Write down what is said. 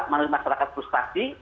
manusia masyarakat frustasi